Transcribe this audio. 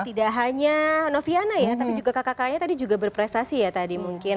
tidak hanya noviana ya tapi juga kakak kakaknya tadi juga berprestasi ya tadi mungkin